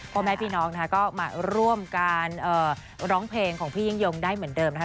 พ่อแม่พี่น้องนะคะก็มาร่วมการร้องเพลงของพี่ยิ่งยงได้เหมือนเดิมนะคะ